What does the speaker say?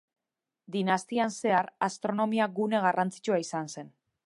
Dinastian zehar, astronomia gune garrantzitsua izan zen.